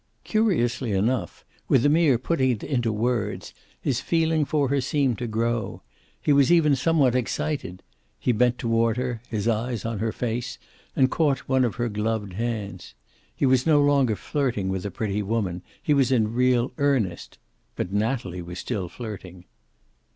Curiously enough, with the mere putting it into words, his feeling for her seemed to grow. He was even somewhat excited. He bent toward her, his eyes on her face, and caught one of her gloved hands. He was no longer flirting with a pretty woman. He was in real earnest. But Natalie was still flirting.